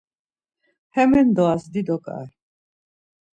Hemindoras dido ǩai.